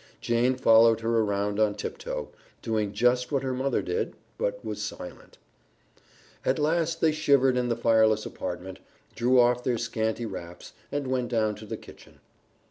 Jane followed her around on tiptoe, doing just what her mother did, but was silent. At last they shivered in the fireless apartment, threw off their scanty wraps, and went down to the kitchen.